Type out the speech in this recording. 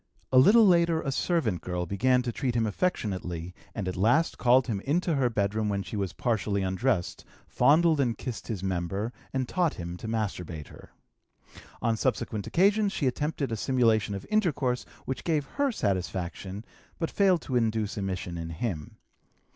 A little later a servant girl began to treat him affectionately and at last called him into her bedroom when she was partially undressed, fondled and kissed his member, and taught him to masturbate her. On subsequent occasions she attempted a simulation of intercourse, which gave her satisfaction, but failed to induce emission in him.